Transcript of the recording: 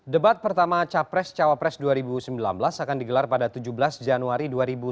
debat pertama capres cawapres dua ribu sembilan belas akan digelar pada tujuh belas januari dua ribu sembilan belas